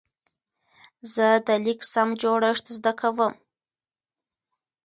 زه د لیک سم جوړښت زده کوم.